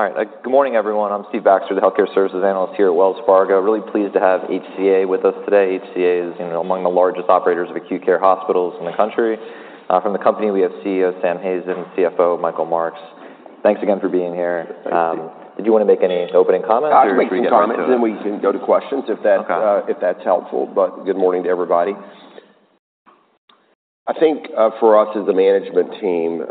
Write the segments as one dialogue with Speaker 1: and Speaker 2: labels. Speaker 1: All right. Good morning, everyone. I'm Steve Baxter, the Healthcare Services Analyst here at Wells Fargo. Really pleased to have HCA with us today. HCA is, you know, among the largest operators of acute care hospitals in the country. From the company, we have CEO, Sam Hazen, and CFO, Michael Marks. Thanks again for being here.
Speaker 2: Thank you.
Speaker 1: Did you wanna make any opening comments
Speaker 2: I'll make some comments, and we can go to questions, if that
Speaker 1: Okay
Speaker 2: if that's helpful. Good morning to everybody. I think, for us, as a management team,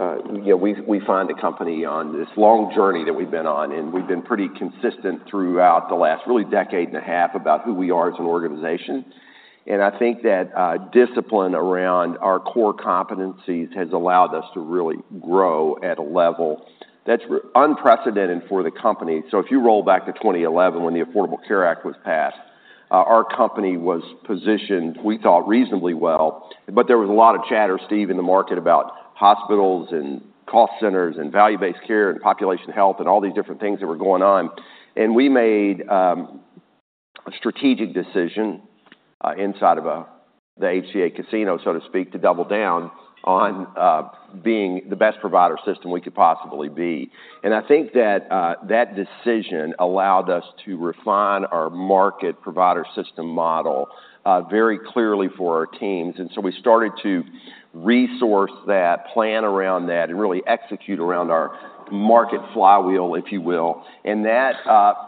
Speaker 2: you know, we find the company on this long journey that we've been on, and we've been pretty consistent throughout the last really decade and a half about who we are as an organization. I think that discipline around our core competencies has allowed us to really grow at a level that's unprecedented for the company. If you roll back to 2011, when the Affordable Care Act was passed, our company was positioned, we thought, reasonably well, but there was a lot of chatter, Steve, in the market about hospitals, and cost centers, and value-based care, and population health, and all these different things that were going on. We made a strategic decision inside of the HCA casino, so to speak, to double down on being the best provider system we could possibly be. I think that that decision allowed us to refine our market provider system model very clearly for our teams. We started to resource that, plan around that, and really execute around our market flywheel, if you will, and that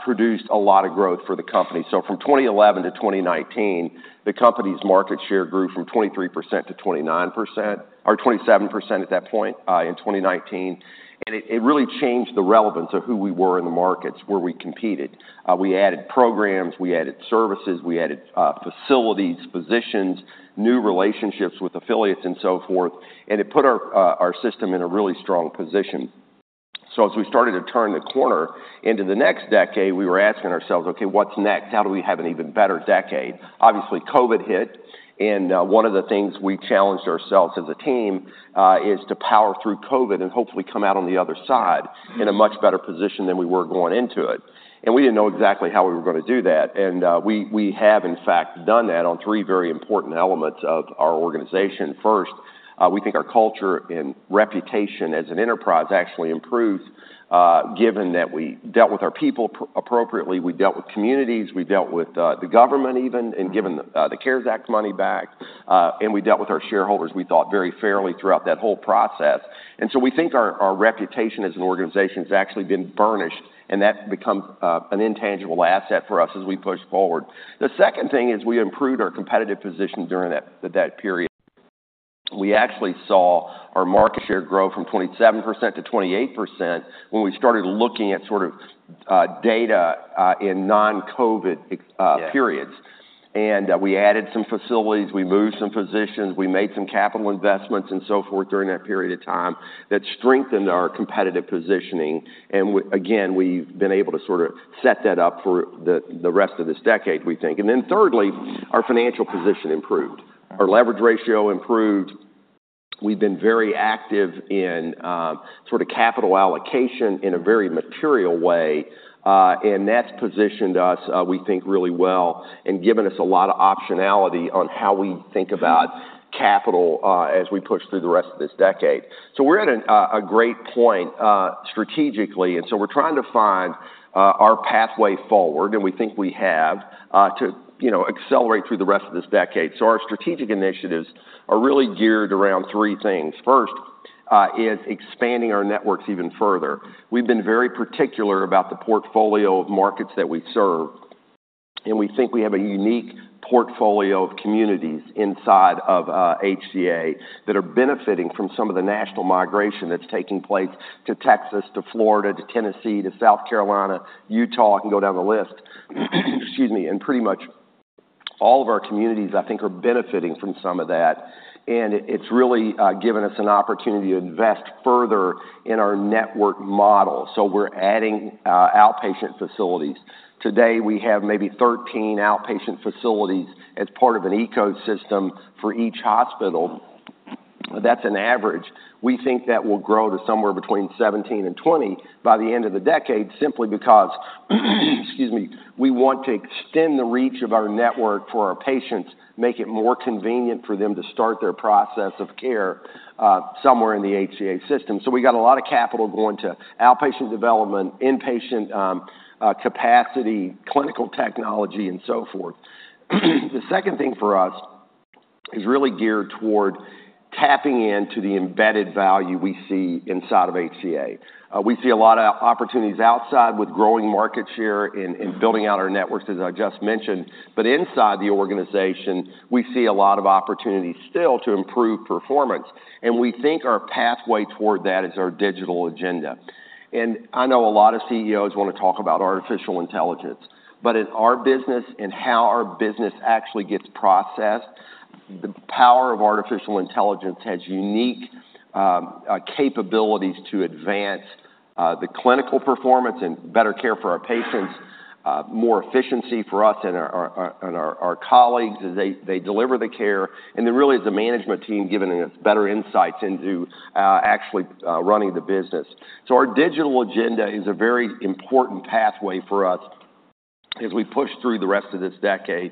Speaker 2: produced a lot of growth for the company. From 2011 to 2019, the company's market share grew from 23%-29%, or 27% at that point in 2019, and it really changed the relevance of who we were in the markets where we competed. We added programs, we added services, we added facilities, positions, new relationships with affiliates, and so forth, and it put our our system in a really strong position. So as we started to turn the corner into the next decade, we were asking ourselves: "Okay, what's next? How do we have an even better decade?" Obviously, COVID hit, and one of the things we challenged ourselves as a team is to power through COVID and hopefully come out on the other side in a much better position than we were going into it. We didn't know exactly how we were gonna do that, and we have, in fact, done that on three very important elements of our organization. First, we think our culture and reputation as an enterprise actually improved, given that we dealt with our people appropriately, we dealt with communities, we dealt with the government even, and given the CARES Act money back, and we dealt with our shareholders, we thought, very fairly throughout that whole process, and so we think our reputation as an organization has actually been burnished, and that becomes an intangible asset for us as we push forward. The second thing is we improved our competitive position during that period. We actually saw our market share grow from 27% to 28% when we started looking at sort of data in non-COVID periods.
Speaker 1: Yes.
Speaker 2: We added some facilities, we moved some physicians, we made some capital investments and so forth during that period of time that strengthened our competitive positioning, and again, we've been able to sort of set that up for the rest of this decade, we think, and then thirdly, our financial position improved. Our leverage ratio improved. We've been very active in sort of capital allocation in a very material way, and that's positioned us, we think, really well and given us a lot of optionality on how we think about capital, as we push through the rest of this decade, so we're at a great point strategically, and so we're trying to find our pathway forward, and we think we have to, you know, accelerate through the rest of this decade. So our strategic initiatives are really geared around three things. First, is expanding our networks even further. We've been very particular about the portfolio of markets that we serve, and we think we have a unique portfolio of communities inside of HCA that are benefiting from some of the national migration that's taking place to Texas, to Florida, to Tennessee, to South Carolina, Utah. I can go down the list. Excuse me. And pretty much all of our communities, I think, are benefiting from some of that, and it's really given us an opportunity to invest further in our network model. So we're adding outpatient facilities. Today, we have maybe thirteen outpatient facilities as part of an ecosystem for each hospital. That's an average. We think that will grow to somewhere between seventeen and twenty by the end of the decade, simply because, excuse me, we want to extend the reach of our network for our patients, make it more convenient for them to start their process of care, somewhere in the HCA system. So we got a lot of capital going to outpatient development, inpatient, capacity, clinical technology, and so forth. The second thing for us is really geared toward tapping into the embedded value we see inside of HCA. We see a lot of opportunities outside with growing market share and building out our networks, as I just mentioned, but inside the organization, we see a lot of opportunities still to improve performance, and we think our pathway toward that is our digital agenda. And I know a lot of CEOs wanna talk about artificial intelligence, but in our business and how our business actually gets processed, the power of artificial intelligence has unique capabilities to advance the clinical performance and better care for our patients, more efficiency for us and our colleagues as they deliver the care, and then really as a management team, giving us better insights into actually running the business. So our digital agenda is a very important pathway for us... as we push through the rest of this decade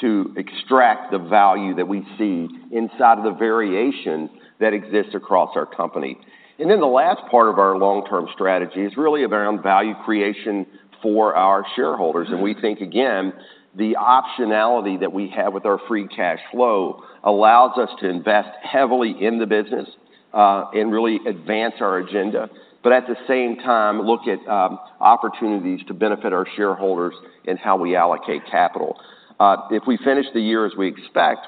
Speaker 2: to extract the value that we see inside of the variation that exists across our company. And then the last part of our long-term strategy is really around value creation for our shareholders. And we think, again, the optionality that we have with our free cash flow allows us to invest heavily in the business and really advance our agenda, but at the same time, look at opportunities to benefit our shareholders in how we allocate capital. If we finish the year as we expect,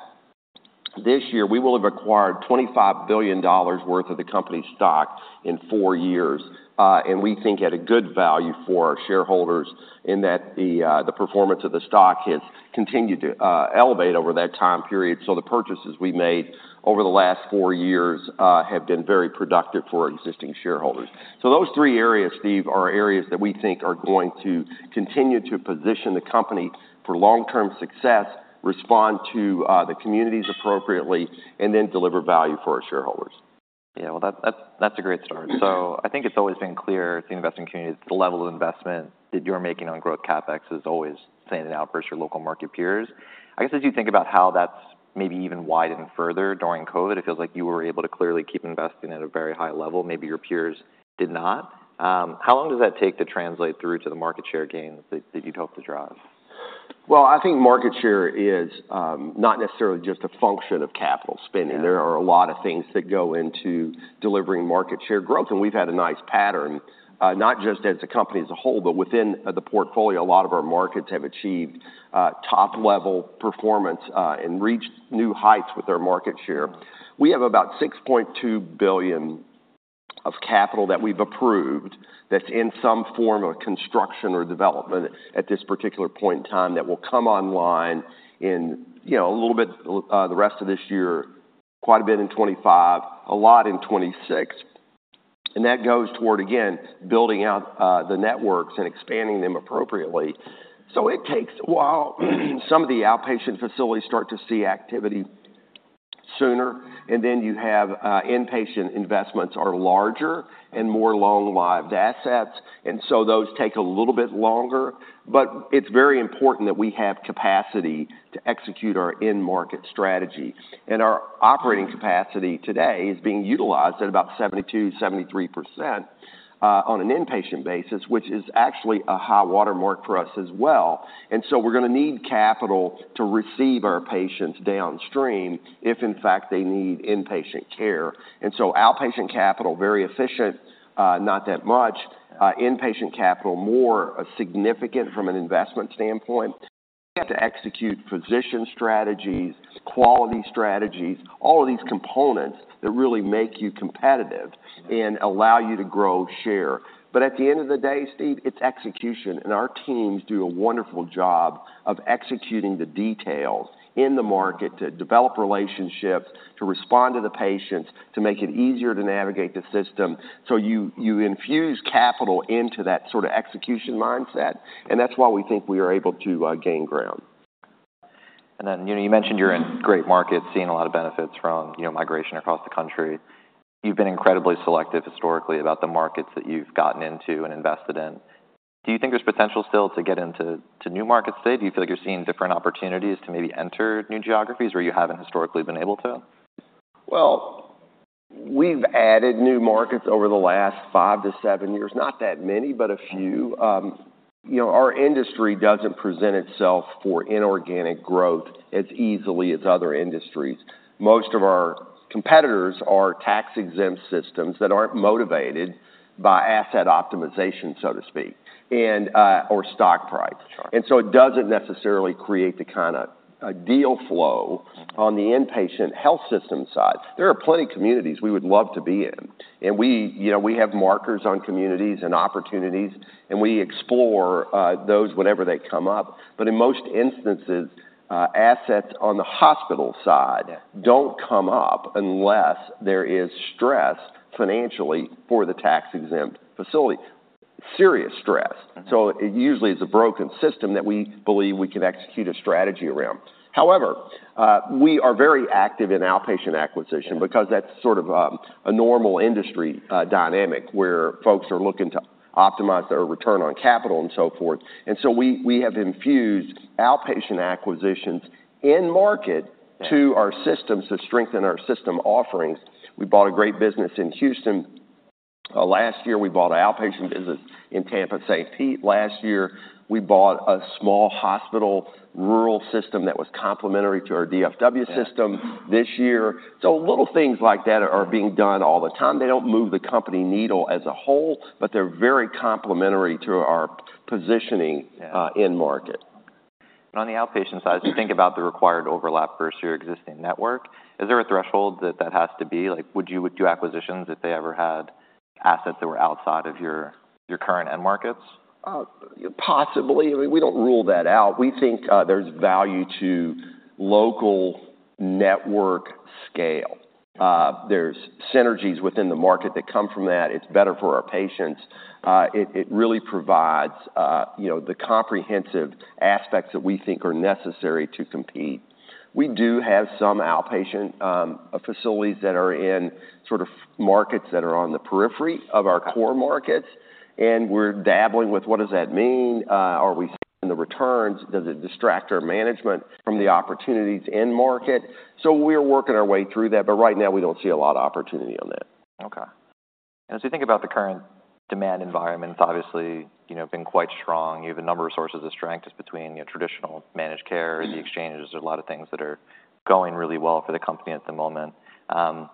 Speaker 2: this year, we will have acquired $25 billion worth of the company's stock in four years. And we think at a good value for our shareholders in that the performance of the stock has continued to elevate over that time period. So the purchases we made over the last four years have been very productive for our existing shareholders. So those three areas, Steve, are areas that we think are going to continue to position the company for long-term success, respond to the communities appropriately, and then deliver value for our shareholders.
Speaker 1: Yeah, well, that's a great start. So I think it's always been clear to the investing community, the level of investment that you're making on growth CapEx is always standing out versus your local market peers. I guess, as you think about how that's maybe even widened further during COVID, it feels like you were able to clearly keep investing at a very high level. Maybe your peers did not. How long does that take to translate through to the market share gains that you'd hope to drive?
Speaker 2: I think market share is not necessarily just a function of capital spending.
Speaker 1: Yeah.
Speaker 2: There are a lot of things that go into delivering market share growth, and we've had a nice pattern, not just as a company as a whole, but within the portfolio. A lot of our markets have achieved, top-level performance, and reached new heights with our market share. We have about $6.2 billion of capital that we've approved, that's in some form of construction or development at this particular point in time, that will come online in, you know, a little bit, the rest of this year, quite a bit in 2025, a lot in 2026. And that goes toward, again, building out, the networks and expanding them appropriately. So it takes a while. Some of the outpatient facilities start to see activity sooner, and then you have, inpatient investments are larger and more long-lived assets, and so those take a little bit longer. But it's very important that we have capacity to execute our in-market strategy. And our operating capacity today is being utilized at about 72%-73%, on an inpatient basis, which is actually a high watermark for us as well. And so we're gonna need capital to receive our patients downstream, if in fact, they need inpatient care. And so outpatient capital, very efficient, not that much. Inpatient capital, more significant from an investment standpoint. We have to execute physician strategies, quality strategies, all of these components that really make you competitive And allow you to grow share. But at the end of the day, Steve, it's execution, and our teams do a wonderful job of executing the details in the market to develop relationships, to respond to the patients, to make it easier to navigate the system. So you infuse capital into that sort of execution mindset, and that's why we think we are able to gain ground.
Speaker 1: And then, you know, you mentioned you're in great markets, seeing a lot of benefits from, you know, migration across the country. You've been incredibly selective historically, about the markets that you've gotten into and invested in. Do you think there's potential still to get into, to new markets today? Do you feel like you're seeing different opportunities to maybe enter new geographies where you haven't historically been able to?
Speaker 2: We've added new markets over the last five-seven years. Not that many, but a few. You know, our industry doesn't present itself for inorganic growth as easily as other industries. Most of our competitors are tax-exempt systems that aren't motivated by asset optimization, so to speak, and or stock price. And so it doesn't necessarily create the kind of ideal flow on the inpatient health system side. There are plenty of communities we would love to be in, and we, you know, we have markers on communities and opportunities, and we explore those whenever they come up. But in most instances, assets on the hospital side
Speaker 1: Yeah
Speaker 2: Don't come up unless there is stress financially for the tax-exempt facility, serious stress.
Speaker 1: Mm-hmm.
Speaker 2: So it usually is a broken system that we believe we can execute a strategy around. However, we are very active in outpatient acquisition. Because that's sort of a normal industry dynamic, where folks are looking to optimize their return on capital and so forth. And so we have infused outpatient acquisitions in market
Speaker 1: Yeah
Speaker 2: to our systems to strengthen our system offerings. We bought a great business in Houston. Last year, we bought an outpatient business in Tampa St. Pete. Last year, we bought a small hospital rural system that was complementary to our DFW system.
Speaker 1: Yeah.
Speaker 2: This year. So little things like that are being done all the time. They don't move the company needle as a whole, but they're very complementary to our positioning.
Speaker 1: Yeah
Speaker 2: in market.
Speaker 1: On the outpatient side, you think about the required overlap versus your existing network. Is there a threshold that has to be? Like, would you do acquisitions if they ever had assets that were outside of your current end markets?
Speaker 2: Possibly. We don't rule that out. We think there's value to local network scale. There's synergies within the market that come from that. It's better for our patients. It really provides, you know, the comprehensive aspects that we think are necessary to compete. We do have some outpatient facilities that are in sort of markets that are on the periphery of our core markets and we're dabbling with what does that mean? Are we seeing the returns? Does it distract our management from the opportunities in market? So we are working our way through that, but right now, we don't see a lot of opportunity on that.
Speaker 1: Okay. As you think about the current demand environment, it's obviously, you know, been quite strong. You have a number of sources of strength, just between your traditional managed care, the exchanges, there are a lot of things that are going really well for the company at the moment.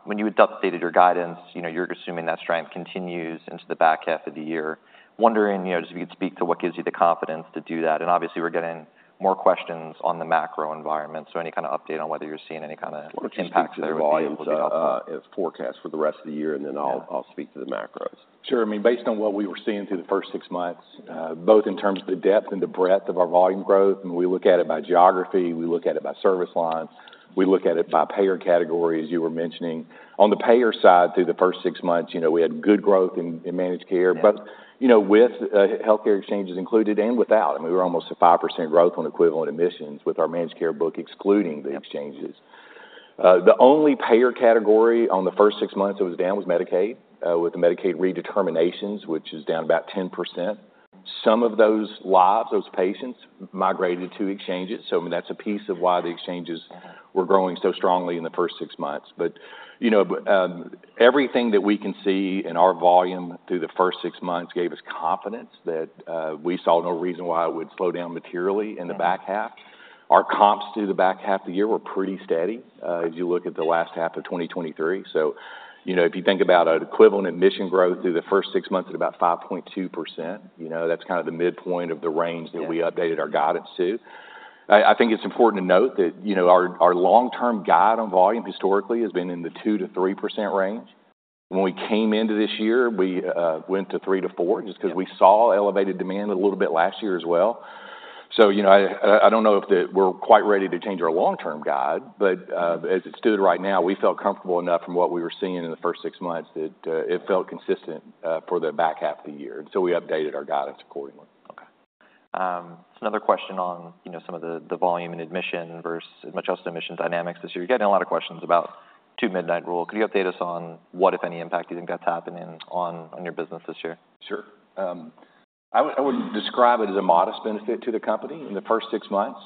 Speaker 1: When you updated your guidance, you know, you're assuming that strength continues into the back half of the year. Wondering, you know, if you could speak to what gives you the confidence to do that? And obviously, we're getting more questions on the macro environment. So any kind of update on whether you're seeing any kind of impact there.
Speaker 3: Just speak to the volumes as forecast for the rest of the year, and then I'll, I'll speak to the macros. Sure. I mean, based on what we were seeing through the first six months, both in terms of the depth and the breadth of our volume growth, and we look at it by geography, we look at it by service line, we look at it by payer category, as you were mentioning. On the payer side, through the first six months, you know, we had good growth in managed care.
Speaker 1: Yeah.
Speaker 3: But, you know, with healthcare exchanges included and without, I mean, we're almost a 5% growth on equivalent admissions with our managed care book, excluding the exchanges. The only payer category on the first six months that was down was Medicaid, with the Medicaid redeterminations, which is down about 10%. Some of those lives, those patients, migrated to exchanges, so, I mean, that's a piece of why the exchanges were growing so strongly in the first six months. But, you know, everything that we can see in our volume through the first six months gave us confidence that we saw no reason why it would slow down materially in the back half. Our comps through the back half of the year were pretty steady, as you look at the last half of 2023. So, you know, if you think about an equivalent admission growth through the first six months at about 5.2%, you know, that's kind of the midpoint of the range
Speaker 1: Yeah
Speaker 3: that we updated our guidance to. I think it's important to note that, you know, our long-term guide on volume historically has been in the 2%-3% range. When we came into this year, we went to 3%-4%, just because
Speaker 1: Yeah
Speaker 3: We saw elevated demand a little bit last year as well. So, you know, I don't know if we're quite ready to change our long-term guide, but, as it stood right now, we felt comfortable enough from what we were seeing in the first six months that it felt consistent for the back half of the year, and so we updated our guidance accordingly.
Speaker 1: Okay. So another question on, you know, some of the volume and inpatient versus outpatient admission dynamics this year. We're getting a lot of questions about Two-Midnight Rule. Could you update us on what, if any, impact you think that's having on your business this year?
Speaker 3: Sure. I would describe it as a modest benefit to the company in the first six months.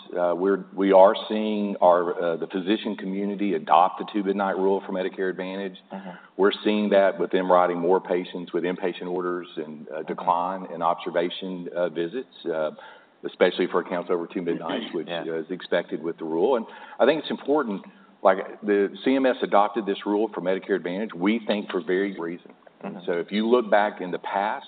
Speaker 3: We are seeing our the physician community adopt the Two-Midnight Rule for Medicare Advantage.
Speaker 1: Uh-huh.
Speaker 3: We're seeing that with them writing more patients with inpatient orders and decline in observation visits, especially for accounts over two-midnight
Speaker 1: Yeah
Speaker 3: which is expected with the rule. And I think it's important, like, the CMS adopted this rule for Medicare Advantage, we think, for a very good reason.
Speaker 1: Mm-hmm.
Speaker 3: So if you look back in the past,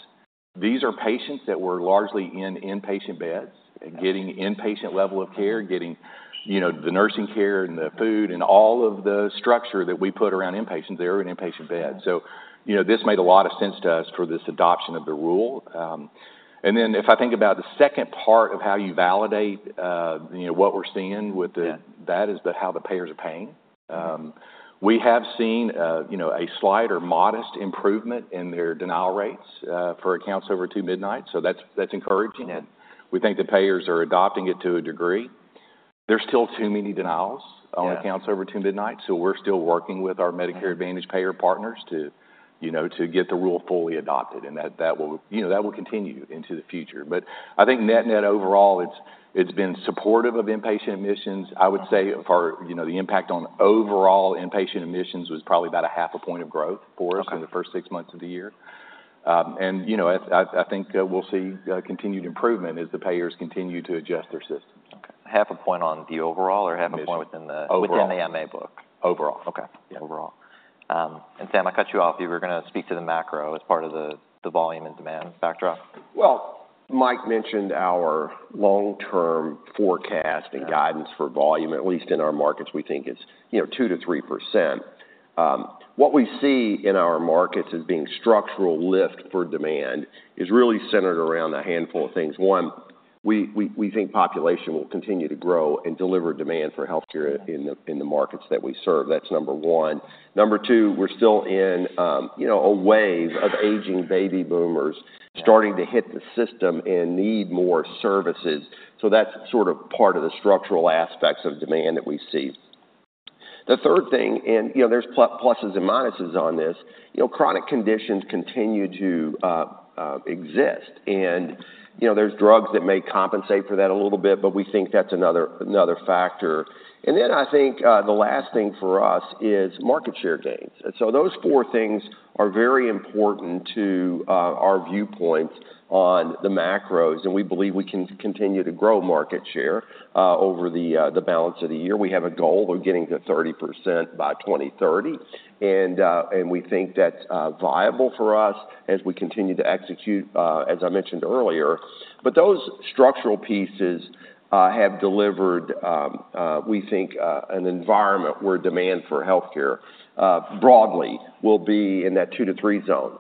Speaker 3: these are patients that were largely in inpatient beds
Speaker 1: Okay
Speaker 3: and getting inpatient level of care, you know, the nursing care and the food and all of the structure that we put around inpatients. They're in inpatient beds.
Speaker 1: Yeah.
Speaker 3: So, you know, this made a lot of sense to us for this adoption of the rule. And then if I think about the second part of how you validate, you know, what we're seeing with the
Speaker 1: Yeah
Speaker 3: That is how the payers are paying. We have seen, you know, a slight or modest improvement in their denial rates for accounts over two midnights, so that's encouraging.
Speaker 1: Yeah.
Speaker 3: We think the payers are adopting it to a degree. There's still too many denials,
Speaker 1: Yeah
Speaker 3: on accounts over two midnights, so we're still working with our Medicare Advantage payer partners to, you know, to get the rule fully adopted, and that will, you know, that will continue into the future. But I think net-net, overall, it's been supportive of inpatient admissions.
Speaker 1: Uh-huh.
Speaker 3: I would say for, you know, the impact on overall inpatient admissions was probably about a half a point of growth for us
Speaker 1: Okay
Speaker 3: in the first six months of the year, and you know, I think we'll see continued improvement as the payers continue to adjust their systems.
Speaker 1: Okay. Half a point on the overall or half a point within the
Speaker 3: Overall.
Speaker 1: Within the MA book?
Speaker 3: Overall.
Speaker 1: Okay.
Speaker 3: Yeah, overall.
Speaker 1: And Sam, I cut you off. You were gonna speak to the macro as part of the volume and demand backdrop.
Speaker 2: Mike mentioned our long-term forecast
Speaker 3: Yeah
Speaker 2: And guidance for volume, at least in our markets, we think it's, you know, 2%-3%. What we see in our markets as being structural lift for demand is really centered around a handful of things. One, we think population will continue to grow and deliver demand for healthcare in the markets that we serve. That's number one. Number two, we're still in, you know, a wave of aging baby boomers starting to hit the system and need more services, so that's sort of part of the structural aspects of demand that we see. The third thing, and, you know, there's pluses and minuses on this, you know, chronic conditions continue to exist, and, you know, there's drugs that may compensate for that a little bit, but we think that's another factor. And then I think, the last thing for us is market share gains. And so those four things are very important to, our viewpoint on the macros, and we believe we can continue to grow market share, over the balance of the year. We have a goal of getting to 30% by 2030, and we think that's viable for us as we continue to execute, as I mentioned earlier. But those structural pieces have delivered, we think, an environment where demand for healthcare, broadly, will be in that two to three zone.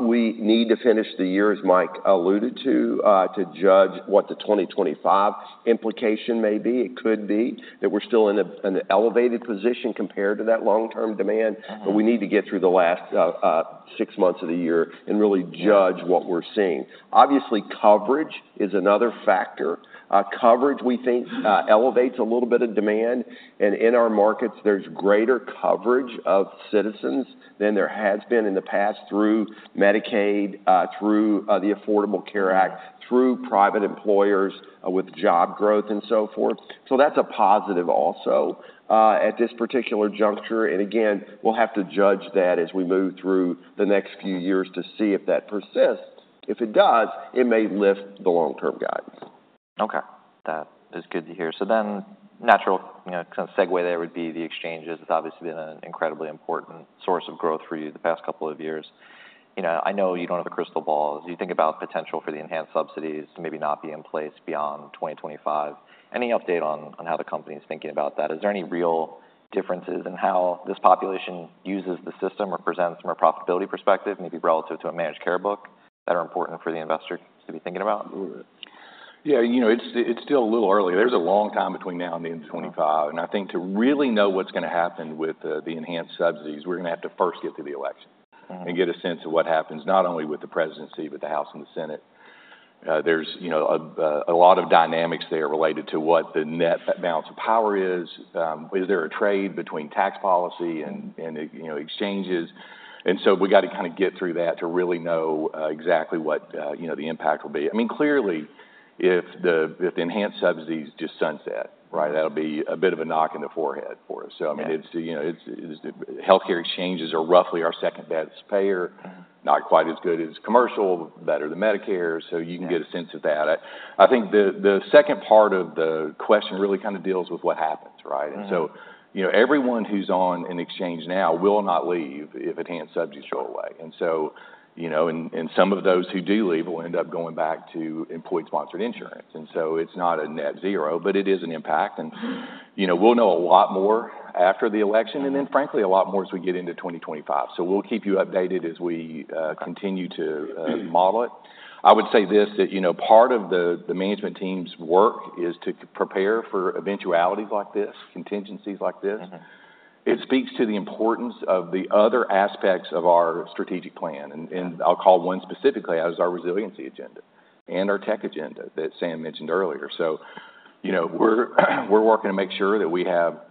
Speaker 2: We need to finish the year, as Mike alluded to, to judge what the 2025 implication may be. It could be that we're still in an elevated position compared to that long-term demand-
Speaker 1: Uh-huh
Speaker 2: but we need to get through the last six months of the year and really judge what we're seeing. Obviously, coverage is another factor. Coverage, we think, elevates a little bit of demand, and in our markets, there's greater coverage of citizens than there has been in the past through Medicaid, through the Affordable Care Act, through private employers with job growth and so forth. So that's a positive also at this particular juncture. And again, we'll have to judge that as we move through the next few years to see if that persists. If it does, it may lift the long-term guide.
Speaker 1: Okay, that is good to hear. So then natural, you know, kind of segue there would be the exchanges. It's obviously been an incredibly important source of growth for you the past couple of years. You know, I know you don't have a crystal ball. As you think about potential for the enhanced subsidies to maybe not be in place beyond 2025, any update on how the company is thinking about that? Is there any real differences in how this population uses the system or presents from a profitability perspective, maybe relative to a managed care book, that are important for the investor to be thinking about?
Speaker 3: Yeah, you know, it's still a little early. There's a long time between now and the end of 2025. And I think to really know what's gonna happen with the enhanced subsidies, we're gonna have to first get through the election
Speaker 1: Mm-hmm.
Speaker 3: and get a sense of what happens, not only with the presidency, but the House and the Senate. There's, you know, a lot of dynamics there related to what the net balance of power is. Is there a trade between tax policy and, you know, exchanges? And so we got to kind of get through that to really know exactly what, you know, the impact will be. I mean, clearly, if the enhanced subsidies just sunset, right? That'll be a bit of a knock in the forehead for us.
Speaker 1: Yeah.
Speaker 3: I mean, it's, you know, healthcare exchanges are roughly our second-best payer.
Speaker 1: Mm-hmm.
Speaker 3: Not quite as good as commercial, better than Medicare.
Speaker 1: Yeah.
Speaker 3: So you can get a sense of that. I think the second part of the question really kind of deals with what happens, right?
Speaker 1: Mm-hmm.
Speaker 3: And so, you know, everyone who's on an exchange now will not leave if enhanced subsidies go away. And so, you know, and some of those who do leave will end up going back to employee-sponsored insurance. And so it's not a net zero, but it is an impact.
Speaker 1: Mm-hmm.
Speaker 3: And, you know, we'll know a lot more after the election, and then frankly, a lot more as we get into 2025. So we'll keep you updated as we continue to model it. I would say this, that, you know, part of the management team's work is to prepare for eventualities like this, contingencies like this.
Speaker 1: Mm-hmm.
Speaker 3: It speaks to the importance of the other aspects of our strategic plan, and I'll call one specifically, as our resiliency agenda and our tech agenda that Sam mentioned earlier. So, you know, we're working to make sure that we have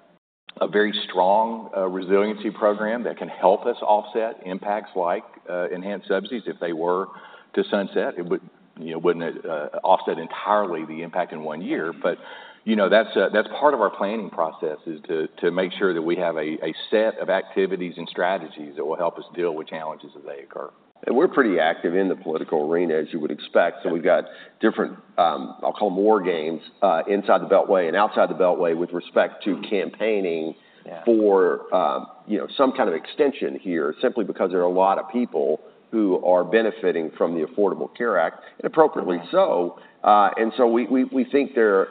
Speaker 3: a very strong Resiliency Program that can help us offset impacts like enhanced subsidies. If they were to sunset, it would, you know, wouldn't offset entirely the impact in one year. But, you know, that's part of our planning process, is to make sure that we have a set of activities and strategies that will help us deal with challenges as they occur.
Speaker 2: And we're pretty active in the political arena, as you would expect. So we've got different, I'll call them, war games, inside the Beltway and outside the Beltway with respect to campaigning
Speaker 1: Yeah
Speaker 2: for, you know, some kind of extension here, simply because there are a lot of people who are benefiting from the Affordable Care Act, and appropriately so.
Speaker 1: Right.
Speaker 2: And so we think there,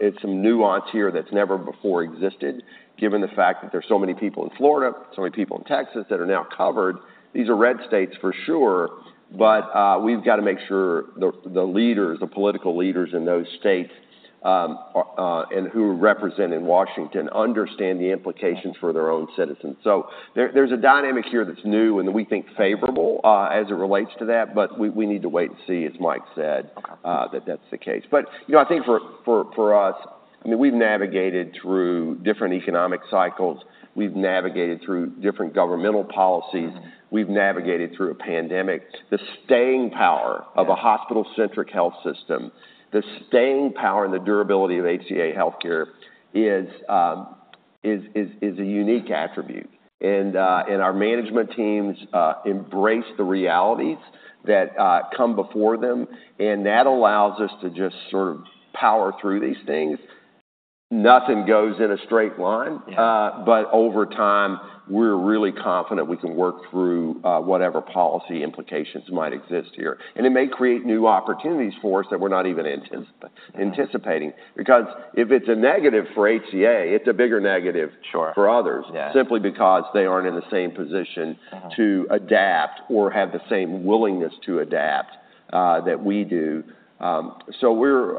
Speaker 2: it's some nuance here that's never before existed, given the fact that there's so many people in Florida, so many people in Texas that are now covered. These are red states for sure, but we've got to make sure the leaders, the political leaders in those states, and who represent in Washington, understand the implications for their own citizens. So there's a dynamic here that's new and we think favorable, as it relates to that, but we need to wait and see, as Mike said
Speaker 1: Okay
Speaker 2: that that's the case. But, you know, I think for us, I mean, we've navigated through different economic cycles. We've navigated through different governmental policies.
Speaker 1: Mm-hmm.
Speaker 2: We've navigated through a pandemic. The staying power
Speaker 1: Yeah
Speaker 2: of a hospital-centric health system, the staying power and the durability of HCA Healthcare is a unique attribute. And our management teams embrace the realities that come before them, and that allows us to just sort of power through these things. Nothing goes in a straight line.
Speaker 1: Yeah.
Speaker 2: But over time, we're really confident we can work through whatever policy implications might exist here. And it may create new opportunities for us that we're not even anticipating.
Speaker 1: Mm-hmm.
Speaker 2: Because if it's a negative for HCA, it's a bigger negative
Speaker 1: Sure
Speaker 2: for others.
Speaker 1: Yeah.
Speaker 2: Simply because they aren't in the same position
Speaker 1: Uh-huh
Speaker 2: to adapt or have the same willingness to adapt that we do, so we're,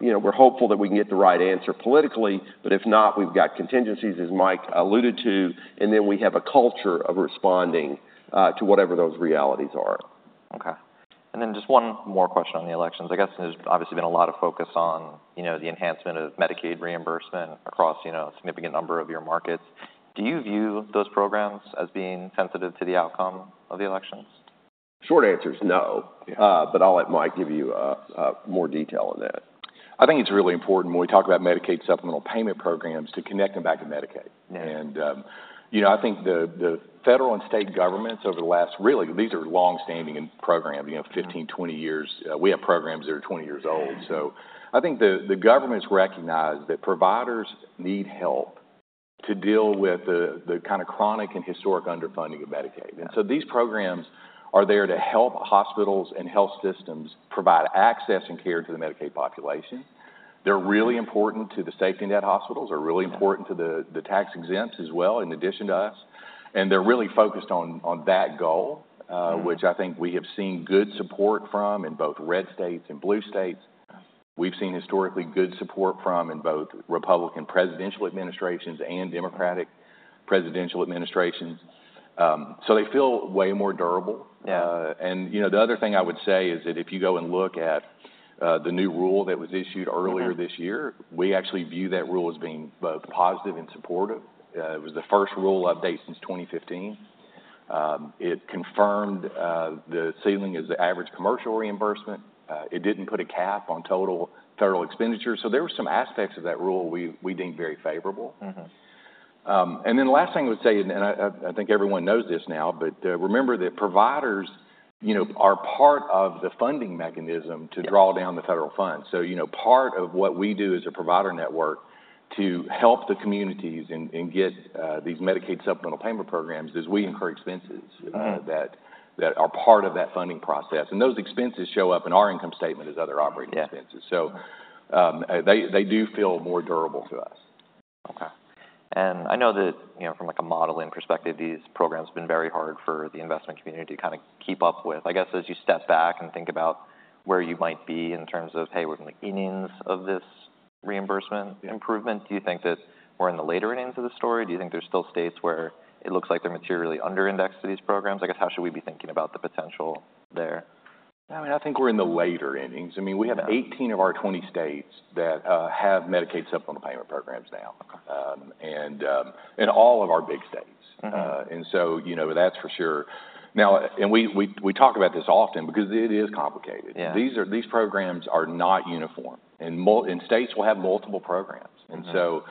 Speaker 2: you know, we're hopeful that we can get the right answer politically, but if not, we've got contingencies, as Mike alluded to, and then we have a culture of responding to whatever those realities are.
Speaker 1: Okay, and then just one more question on the elections. I guess there's obviously been a lot of focus on, you know, the enhancement of Medicaid reimbursement across, you know, a significant number of your markets. Do you view those programs as being sensitive to the outcome of the elections?
Speaker 2: Short answer is no.
Speaker 1: Yeah.
Speaker 2: But I'll let Mike give you more detail on that.
Speaker 3: I think it's really important when we talk about Medicaid supplemental payment programs, to connect them back to Medicaid.
Speaker 1: Yeah.
Speaker 3: You know, I think the federal and state governments over the last, really, these are long-standing programs, you know.
Speaker 1: Mm-hmm
Speaker 3: fifteen, twenty years. We have programs that are twenty years old.
Speaker 1: Yeah.
Speaker 3: I think the governments recognize that providers need help to deal with the kind of chronic and historic underfunding of Medicaid.
Speaker 1: Yeah.
Speaker 3: And so these programs are there to help hospitals and health systems provide access and care to the Medicaid population. They're really important to the safety net hospitals.
Speaker 1: Yeah
Speaker 3: are really important to the tax exempts as well, in addition to us. And they're really focused on that goal
Speaker 1: Yeah
Speaker 3: which I think we have seen good support from in both red states and blue states. We've seen historically good support from in both Republican presidential administrations and Democratic presidential administrations. So they feel way more durable.
Speaker 1: Yeah.
Speaker 3: And you know, the other thing I would say is that if you go and look at the new rule that was issued earlier.
Speaker 1: Mm-hmm
Speaker 3: This year, we actually view that rule as being both positive and supportive. It was the first rule update since 2015. It confirmed the ceiling as the average commercial reimbursement. It didn't put a cap on total federal expenditures, so there were some aspects of that rule we deemed very favorable.
Speaker 1: Mm-hmm.
Speaker 3: and then the last thing I would say, and I think everyone knows this now, but remember that providers, you know, are part of the funding mechanism to draw down the federal funds. So, you know, part of what we do as a provider network to help the communities and get these Medicaid supplemental payment programs, is we incur expenses-
Speaker 1: Mm-hmm.
Speaker 3: that are part of that funding process, and those expenses show up in our income statement as other operating expenses.
Speaker 1: Yeah.
Speaker 3: They do feel more durable to us.
Speaker 1: Okay. And I know that, you know, from, like, a modeling perspective, these programs have been very hard for the investment community to kind of keep up with. I guess, as you step back and think about where you might be in terms of, "Hey, we're in the innings of this reimbursement improvement," do you think that we're in the later innings of the story? Do you think there's still states where it looks like they're materially under indexed to these programs? I guess, how should we be thinking about the potential there?
Speaker 3: I mean, I think we're in the later innings.
Speaker 1: Yeah.
Speaker 3: I mean, we have eighteen of our twenty states that have Medicaid supplemental payment programs now.
Speaker 1: Okay.
Speaker 3: And in all of our big states.
Speaker 1: Mm-hmm.
Speaker 3: And so, you know, that's for sure. Now, and we talk about this often because it is complicated.
Speaker 1: Yeah.
Speaker 3: These programs are not uniform, and states will have multiple programs.
Speaker 1: Mm-hmm.
Speaker 3: And so,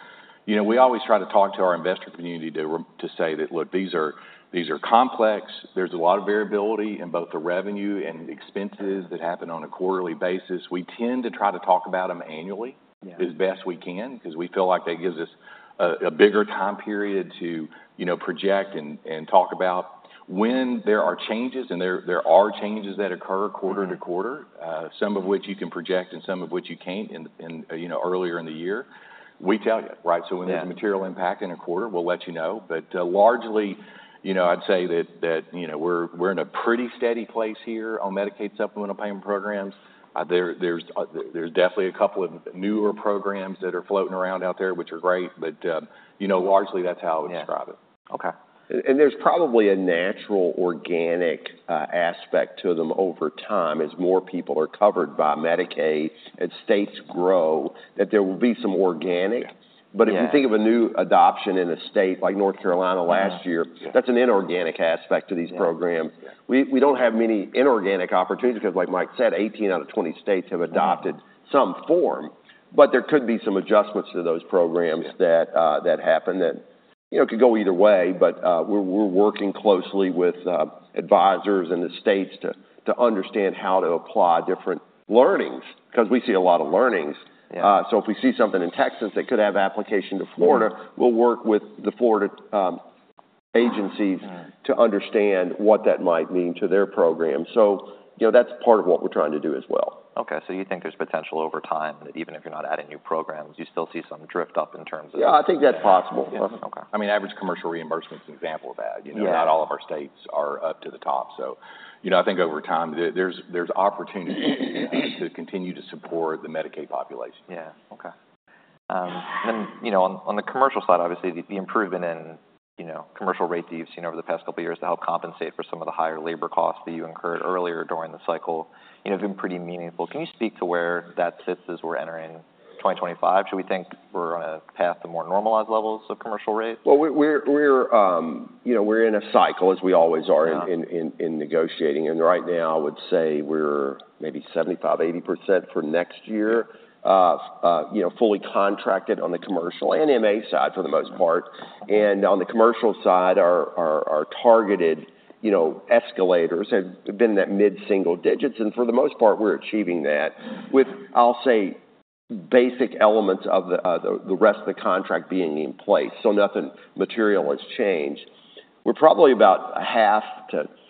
Speaker 3: you know, we always try to talk to our investor community to say that, "Look, these are, these are complex. There's a lot of variability in both the revenue and expenses that happen on a quarterly basis." We tend to try to talk about them annually.
Speaker 1: Yeah
Speaker 3: as best we can, 'cause we feel like that gives us a bigger time period to, you know, project and talk about when there are changes, and there are changes that occur quarter to quarter.
Speaker 1: Mm-hmm.
Speaker 3: Some of which you can project and some of which you can't in, you know, earlier in the year. We tell you, right?
Speaker 1: Yeah.
Speaker 3: So when there's a material impact in a quarter, we'll let you know. But largely, you know, I'd say that you know, we're in a pretty steady place here on Medicaid supplemental payment programs. There's definitely a couple of newer programs that are floating around out there, which are great, but you know, largely, that's how I would describe it.
Speaker 1: Yeah. Okay.
Speaker 2: And there's probably a natural, organic aspect to them over time as more people are covered by Medicaid and states grow, that there will be some organic.
Speaker 3: Yeah.
Speaker 1: Yeah.
Speaker 2: But if you think of a new adoption in a state like North Carolina last year-
Speaker 3: Mm-hmm. Yeah
Speaker 2: that's an inorganic aspect to these programs.
Speaker 1: Yeah.
Speaker 2: We don't have many inorganic opportunities, 'cause like Mike said, 18 out of 20 states have adopted
Speaker 1: Mm-hmm
Speaker 2: some form, but there could be some adjustments to those programs-
Speaker 3: Yeah
Speaker 2: that happen, you know, could go either way. But, we're working closely with advisors in the states to understand how to apply different learnings, 'cause we see a lot of learnings.
Speaker 1: Yeah.
Speaker 2: So if we see something in Texas that could have application to Florida
Speaker 1: Yeah
Speaker 2: we'll work with the Florida agencies-
Speaker 1: Yeah
Speaker 2: to understand what that might mean to their program. So, you know, that's part of what we're trying to do as well.
Speaker 1: Okay, so you think there's potential over time, that even if you're not adding new programs, you still see some drift up in terms of
Speaker 2: Yeah, I think that's possible.
Speaker 3: Yeah.
Speaker 1: Okay.
Speaker 3: I mean, average commercial reimbursement is an example of that.
Speaker 1: Yeah.
Speaker 3: You know, not all of our states are up to the top. So, you know, I think over time, there's opportunity to continue to support the Medicaid population.
Speaker 1: Yeah. Okay. Then, you know, on the commercial side, obviously, the improvement in, you know, commercial rates that you've seen over the past couple of years to help compensate for some of the higher labor costs that you incurred earlier during the cycle, you know, have been pretty meaningful. Can you speak to where that sits as we're entering 2025? Should we think we're on a path to more normalized levels of commercial rates?
Speaker 2: We're in a cycle, as we always are.
Speaker 1: Yeah
Speaker 2: in negotiating. And right now, I would say we're maybe 75%-80% for next year, you know, fully contracted on the commercial and MA side, for the most part. And on the commercial side, our targeted, you know, escalators have been in that mid-single digits, and for the most part, we're achieving that, with, I'll say, basic elements of the rest of the contract being in place, so nothing material has changed. We're probably about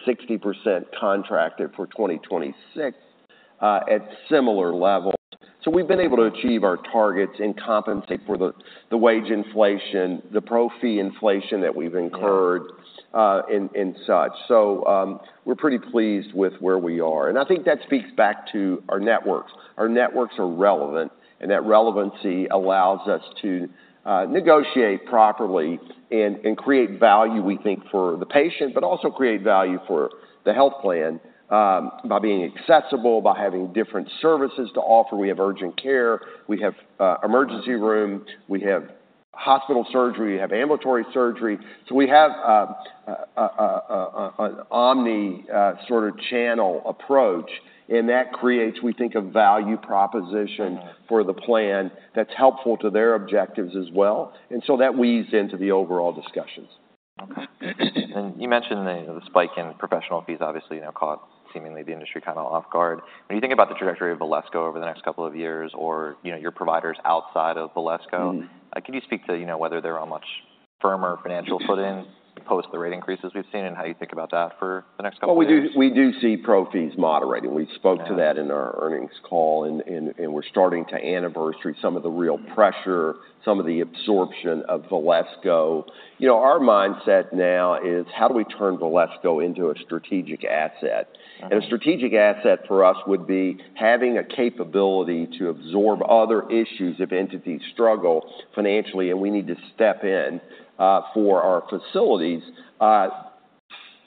Speaker 2: 50%-60% contracted for 2026, at similar levels. So we've been able to achieve our targets and compensate for the wage inflation, the pro fee inflation that we've incurred
Speaker 1: Yeah
Speaker 2: and such, so we're pretty pleased with where we are, and I think that speaks back to our networks. Our networks are relevant, and that relevancy allows us to negotiate properly and create value, we think, for the patient, but also create value for the health plan by being accessible, by having different services to offer. We have urgent care, we have emergency room, we have hospital surgery, we have ambulatory surgery, so we have an omni sort of channel approach, and that creates, we think, a value proposition
Speaker 1: Mm-hmm
Speaker 2: for the plan that's helpful to their objectives as well, and so that weaves into the overall discussions.
Speaker 1: Okay. And you mentioned the spike in professional fees, obviously, you know, caught seemingly the industry kind of off guard. When you think about the trajectory of Valesco over the next couple of years or, you know, your providers outside of Valesco
Speaker 2: Mm-hmm
Speaker 1: can you speak to, you know, whether they're on much firmer financial footing post the rate increases we've seen, and how you think about that for the next couple of years?
Speaker 2: We do, we do see pro fees moderating.
Speaker 1: Yeah.
Speaker 2: We spoke to that in our earnings call, and we're starting to anniversary some of the real pressure-
Speaker 1: Yeah
Speaker 2: some of the absorption of Valesco. You know, our mindset now is, how do we turn Valesco into a strategic asset?
Speaker 1: Mm-hmm.
Speaker 2: And a strategic asset for us would be having a capability to absorb other issues if entities struggle financially, and we need to step in for our facilities,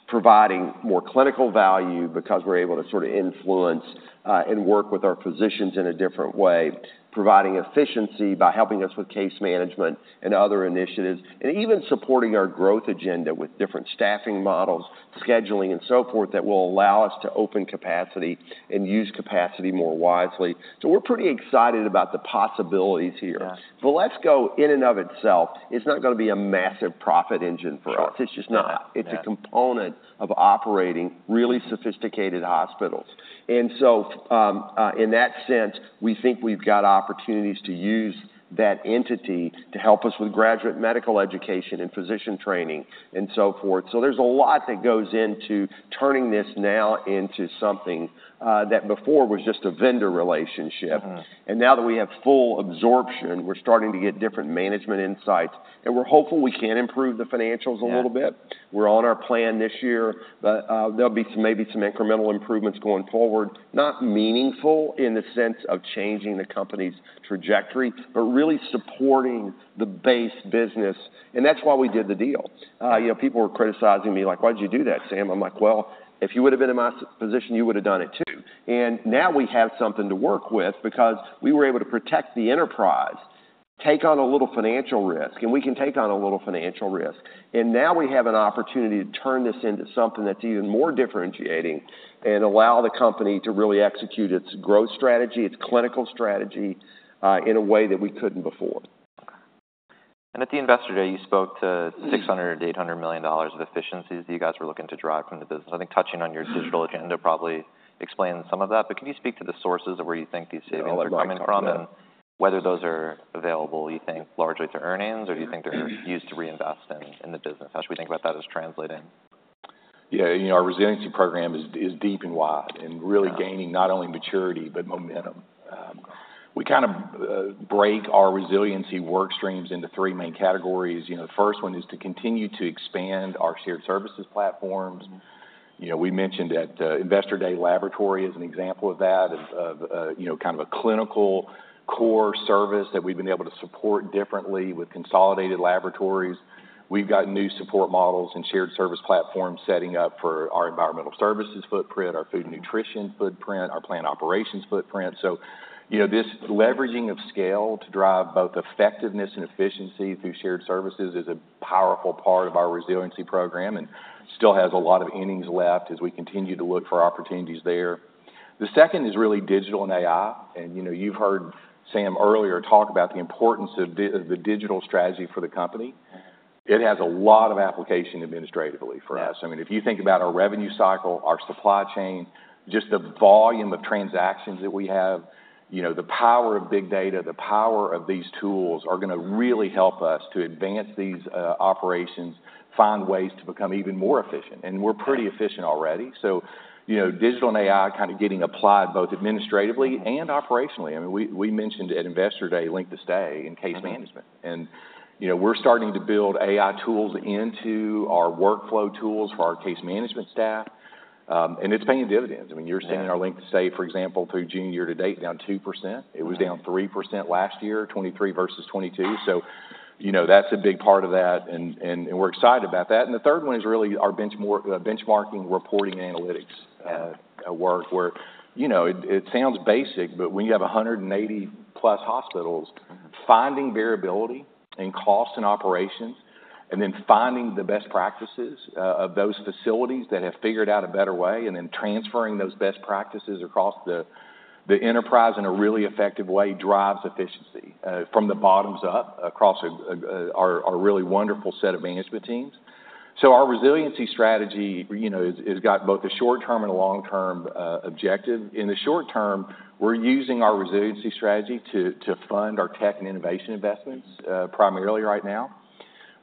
Speaker 2: providing more clinical value because we're able to sort of influence and work with our physicians in a different way, providing efficiency by helping us with case management and other initiatives, and even supporting our growth agenda with different staffing models, scheduling, and so forth, that will allow us to open capacity and use capacity more wisely. So we're pretty excited about the possibilities here.
Speaker 1: Got it.
Speaker 2: Valesco, in and of itself, is not gonna be a massive profit engine for us.
Speaker 1: Sure.
Speaker 2: It's just not.
Speaker 1: Yeah.
Speaker 2: It's a component of operating really sophisticated hospitals. And so, in that sense, we think we've got opportunities to use that entity to help us with graduate medical education and physician training, and so forth. So there's a lot that goes into turning this now into something that before was just a vendor relationship.
Speaker 1: Mm-hmm.
Speaker 2: Now that we have full absorption, we're starting to get different management insights, and we're hopeful we can improve the financials a little bit.
Speaker 1: Yeah.
Speaker 2: We're on our plan this year. But, there'll be some, maybe some incremental improvements going forward. Not meaningful in the sense of changing the company's trajectory, but really supporting the base business, and that's why we did the deal. You know, people were criticizing me, like: "Why'd you do that, Sam?" I'm like: "Well, if you would've been in my shoes, you would've done it, too." And now we have something to work with because we were able to protect the enterprise, take on a little financial risk, and we can take on a little financial risk. And now we have an opportunity to turn this into something that's even more differentiating and allow the company to really execute its growth strategy, its clinical strategy, in a way that we couldn't before.
Speaker 1: At the Investor Day, you spoke to $600 million-$800 million of efficiencies that you guys were looking to drive from the business. I think touching on your digital agenda probably explains some of that, but can you speak to the sources of where you think these savings are coming from?
Speaker 2: Yeah.
Speaker 1: and whether those are available, you think, largely to earnings, or do you think they're used to reinvest in the business? How should we think about that as translating?
Speaker 3: Yeah, you know, our Resiliency Program is deep and wide, and really
Speaker 1: Yeah
Speaker 3: gaining not only maturity, but momentum. We kind of break our resiliency work streams into three main categories. You know, the first one is to continue to expand our shared services platforms. You know, we mentioned at Investor Day, laboratory is an example of that, you know kind of a clinical core service that we've been able to support differently with consolidated laboratories. We've got new support models and shared service platforms setting up for our environmental services footprint, our food and nutrition footprint, our plant operations footprint. So, you know, this leveraging of scale to drive both effectiveness and efficiency through shared services is a powerful part of our Resiliency Program, and still has a lot of innings left as we continue to look for opportunities there. The second is really digital and AI, and you know, you've heard Sam earlier talk about the importance of the digital strategy for the company. It has a lot of application administratively for us.
Speaker 1: Yeah.
Speaker 3: I mean, if you think about our revenue cycle, our supply chain, just the volume of transactions that we have, you know, the power of big data, the power of these tools are gonna really help us to advance these operations, find ways to become even more efficient, and we're pretty efficient already. So, you know, digital and AI kind of getting applied both administratively and operationally. I mean, we mentioned at Investor Day, length of stay in case management.
Speaker 1: Mm-hmm.
Speaker 3: And, you know, we're starting to build AI tools into our workflow tools for our case management staff, and it's paying dividends.
Speaker 1: Yeah.
Speaker 3: I mean, you're seeing our length of stay, for example, through June, year to date, down 2%.
Speaker 1: Right.
Speaker 3: It was down 3% last year, 2023 versus 2022. So, you know, that's a big part of that, and we're excited about that. And the third one is really our benchmarking reporting analytics work, where, you know, it sounds basic, but when you have 180-plus hospitals-
Speaker 1: Mm-hmm
Speaker 3: finding variability and cost and operations, and then finding the best practices of those facilities that have figured out a better way, and then transferring those best practices across the enterprise in a really effective way, drives efficiency from the bottoms up across our really wonderful set of management teams. So our resiliency strategy, you know, has got both a short-term and a long-term objective. In the short term, we're using our resiliency strategy to fund our tech and innovation investments, primarily right now.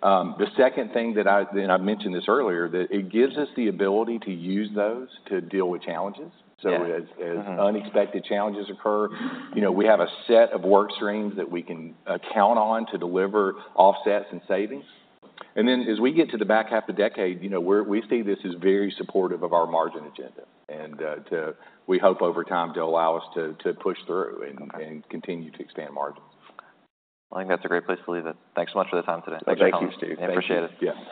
Speaker 3: The second thing that I, and I mentioned this earlier, that it gives us the ability to use those to deal with challenges.
Speaker 1: Yeah.
Speaker 3: So as
Speaker 1: Mm-hmm
Speaker 3: unexpected challenges occur, you know, we have a set of work streams that we can count on to deliver offsets and savings. And then as we get to the back half of the decade, you know, we see this as very supportive of our margin agenda. And, we hope over time to allow us to, to push through
Speaker 1: Okay
Speaker 3: and continue to expand margins.
Speaker 1: I think that's a great place to leave it. Thanks so much for the time today.
Speaker 3: Thank you, Steve.
Speaker 2: Thank you.
Speaker 1: Appreciate it.
Speaker 3: Yes.